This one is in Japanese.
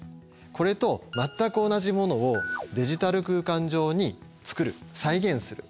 これと全く同じものをデジタル空間上に作る再現する。